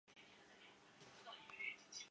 在场上的位置是攻击型中场。